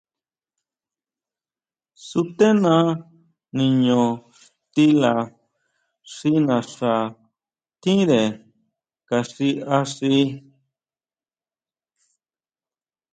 Sutena niño xtila xi naxa tjínre ka xi axí.